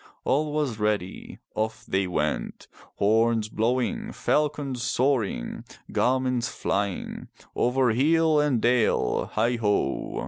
All was ready. Off they went. Horns blowing, falcons soaring, garments flying! Over hill and dale, heigho!